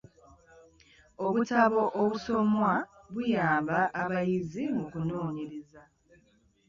Obutabo obusomwa buyamba abayizi mu kunoonyereza.